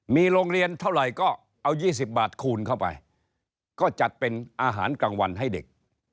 มีโรงเรียนเท่าไหร่ก็เอา๒๐บาทคูณเข้าไปก็จัดเป็นอาหารกลางวันให้เด็ก